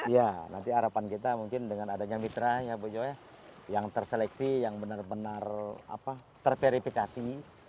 ya nanti harapan kita mungkin dengan adanya mitra ya bu joy yang terseleksi yang benar benar terverifikasi